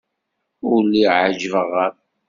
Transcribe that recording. Ur lliɣ ɛejbeɣ-am.